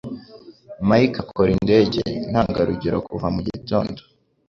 Mike akora indege ntangarugero kuva mugitondo.